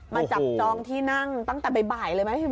มาจับจองที่นั่งตั้งแต่บ่ายเลยไหม